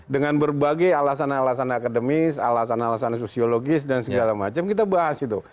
dengan berbagai alasan alasan akademis alasan alasan sosiologis dan segala macam kita bahas itu